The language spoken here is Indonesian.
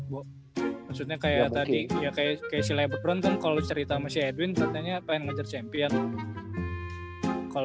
maksudnya kaya tadi ya kaya si lebert brown kan kalo cerita sama si edwin katanya pengen ngejar champion gitu kan